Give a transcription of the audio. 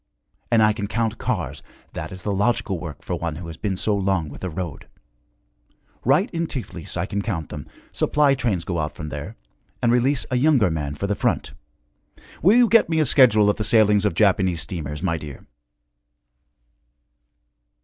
And I can count cars that is the logical work for one who had been so long with the road. Right in Tiflis I can count them, supply trains go out from there, and release a younger man for the front. Will you get me a schedule of the sailings of Japanese steamers, my dear?'